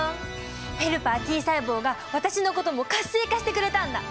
ヘルパーＴ細胞が私のことも活性化してくれたんだ。